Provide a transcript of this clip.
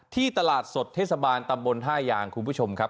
ตลาดสดเทศบาลตำบลท่ายางคุณผู้ชมครับ